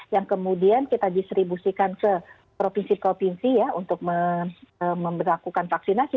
yang kemudian kita distribusikan ke provinsi provinsi ya untuk memperlakukan vaksinasi